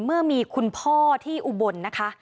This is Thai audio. เมื่อมีคุณพ่อที่อุบลนะคะ